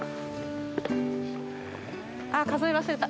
あっ数え忘れた。